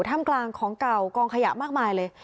ถ้ำกลางของเก่ากองขยะมากมายเลย